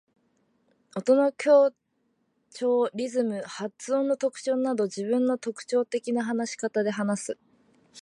音の強調、リズム、発音の特徴など自分の特徴的な話し方で話す。